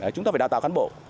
chúng ta phải đào tạo cán bộ